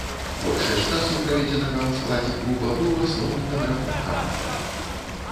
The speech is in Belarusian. Большасць часу, праведзенага ў складзе клуба быў асноўным іграком каманды.